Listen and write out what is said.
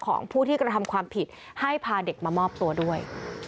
ของผู้ที่กระทำความผิดให้พาเด็กมามอบตัวด้วย